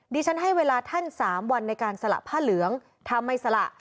ดิฉันให้เวลาท่านสามวันในการศระผ้าเหลืองทำไมศระ